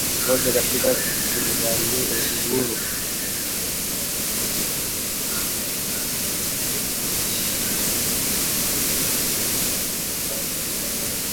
umoja katika kupigania uhuru